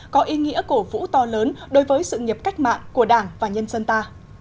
có ý nghĩa cổ vũ to lớn đối với sự nghiệp cách mạng của đảng và nhân dân ta